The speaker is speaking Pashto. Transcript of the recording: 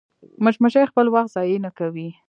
مچمچۍ خپل وخت ضایع نه کوي